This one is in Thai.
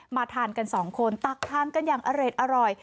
ทานกันสองคนตักทานกันอย่างอร่อย